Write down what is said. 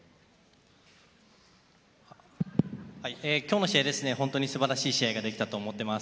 きょうの試合、本当に素晴らしい試合ができたと思ってます。